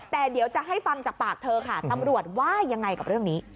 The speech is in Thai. แต่เดี๋ยวจะให้ฟังจากปากเธอค่ะตำรวจว่ายังไงกับเรื่องนี้